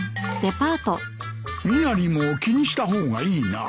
身なりも気にした方がいいなぁ